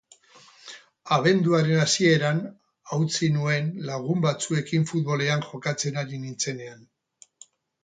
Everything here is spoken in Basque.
Abenduaren hasieran hautsi nuen lagun batzuekin futbolean jokatzen ari nintzenean.